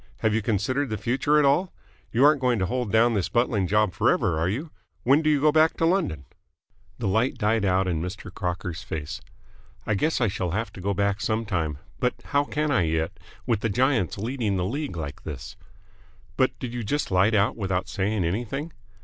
Have you considered the future at all? You aren't going to hold down this buttling job forever, are you? When do you go back to London?" The light died out of Mr. Crocker's face. "I guess I shall have to go back some time. But how can I yet, with the Giants leading the league like this?" "But did you just light out without saying anything?"